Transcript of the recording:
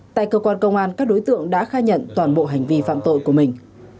tại cơ quan công an các đối tượng đã khai nhận toàn bộ hành vi phạm tội của mình